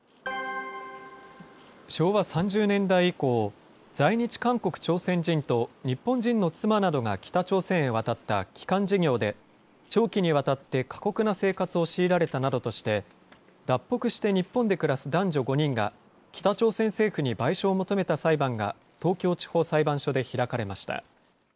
昭和３０年代以降、在日韓国・朝鮮人と日本人の妻などが北朝鮮へ渡った帰還事業で、長期にわたって過酷な生活を強いられたなどとして、脱北して日本で暮らす男女５人が、北朝鮮政府に賠償を求めた裁判が、東京地方裁判所で開かれました。